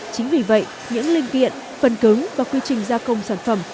chính vì vậy những linh kiện phần cứng và quy trình gia công sản phẩm